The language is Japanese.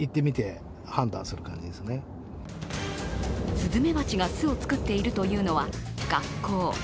すずめばちが巣を作っているというのは学校。